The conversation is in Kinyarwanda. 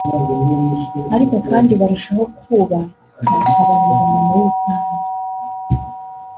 ariko kandi barushaho kubaka abanyarwanda muri rusange